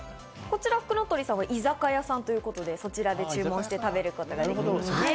ふくの鳥さんは居酒屋さんということで、そちらで注文して食べることができるんですね。